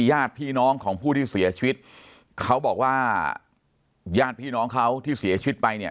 ญาติพี่น้องของผู้ที่เสียชีวิตเขาบอกว่าญาติพี่น้องเขาที่เสียชีวิตไปเนี่ย